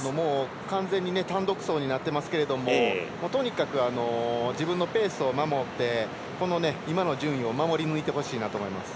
完全に単独走になっていますけどとにかく自分のペースを守って今の順位を守り抜いてほしいなと思います。